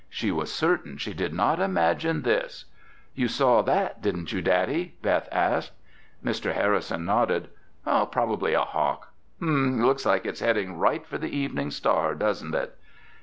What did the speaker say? She was certain she did not imagine this. "You saw that, didn't you, Daddy?" Beth asked. Mr. Harrison nodded. "Probably a hawk. Hmm, it looks like it's heading right for the Evening Star, doesn't it?"